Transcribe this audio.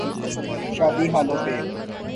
شادی ہالوں پہ۔